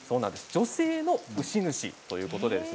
女性の牛主ということです。